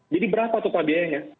jadi berapa total biayanya